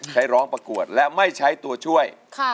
ใช้ร้องประกวดและไม่ใช้ตัวช่วย